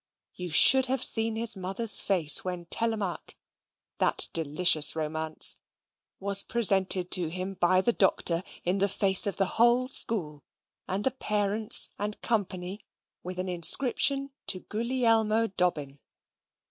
You should have seen his mother's face when Telemaque (that delicious romance) was presented to him by the Doctor in the face of the whole school and the parents and company, with an inscription to Gulielmo Dobbin.